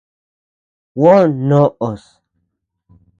Juó noʼös.